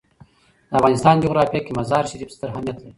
د افغانستان جغرافیه کې مزارشریف ستر اهمیت لري.